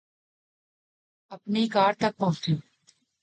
اپنی کار تک پہنچی